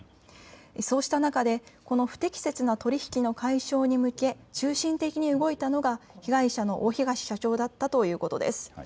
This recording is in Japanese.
そうした中でこの不適切な取り引きの解消に向け中心的に動いたのが被害者の大東社長だったということです。